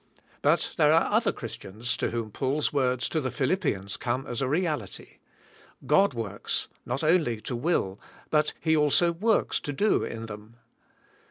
But there are other Christians, to whom Paul's words to the Philippians come as a reality. God works, not only to will, but He also works to do in them.